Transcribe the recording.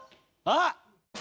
あっ！